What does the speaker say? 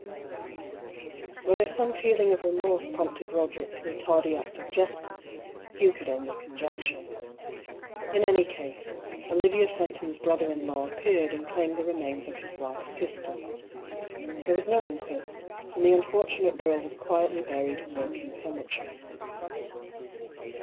Whether some feeling of remorse prompted Roder ick to a tardy act of justice, Hugh could only conjecture. In any case, Olivia Fenton's brother in law appeared and claimed the remains of his wife's sister. There was no inquest, and the unfortunate girl was quietly buried in Woking Cemetery.